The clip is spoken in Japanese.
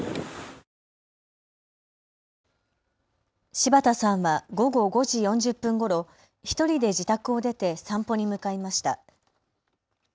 柴田さんは午後５時４０分ごろ１人で自宅を出て散歩に向かいました。